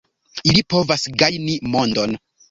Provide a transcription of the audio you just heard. Ili povas gajni mondon.